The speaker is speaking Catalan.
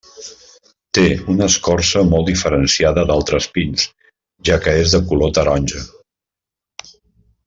Té una escorça molt diferenciada d'altres pins, ja que és de color taronja.